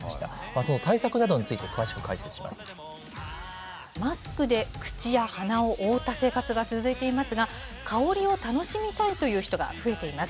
その対策などについて、詳しく解マスクで口や鼻を覆った生活が続いていますが、香りを楽しみたいという人が増えています。